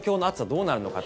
どうなるの？